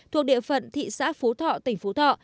thuộc địa phận thị xã phú thọ tỉnh phú thọ